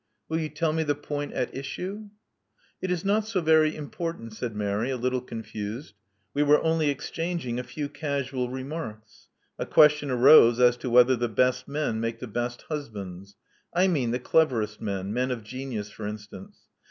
Will you tell me the point at issue?" It is not so very important," said Mary, a little confused. *'We were only exchanging a few casual remarks. A question arose as to whether the best men make the best husbands. I mean the cleverest men — men of genius, for instance.